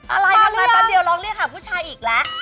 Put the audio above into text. อะไรกันไปแป๊บเดียวร้องเรียกหาผู้ชายอีกแล้ว